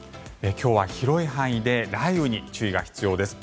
今日は広い範囲で雷雨に注意が必要です。